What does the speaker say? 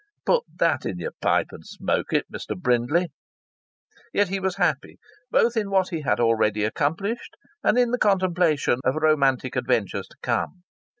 ("Put that in your pipe and smoke it, Mr. Brindley!") Yes, he was happy, both in what he had already accomplished, and in the contemplation of romantic adventures to come.